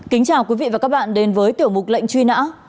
kính chào quý vị và các bạn đến với tiểu mục lệnh truy nã